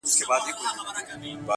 په منډه ولاړه ویل ابتر یې-